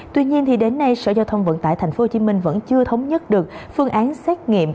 tuy nhiên đến nay sở giao thông vận tải tp hcm vẫn chưa thống nhất được phương án xét nghiệm